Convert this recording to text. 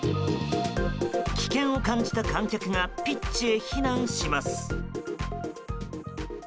危険を感じた観客がピッチへ避難します。